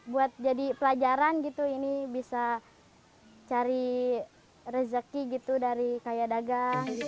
buat jadi pelajaran gitu ini bisa cari rezeki gitu dari kayak dagang gitu